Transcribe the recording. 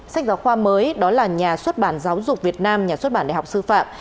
sách giáo khoa mới đó là nhà xuất bản giáo dục việt nam nhà xuất bản đại học sư phạm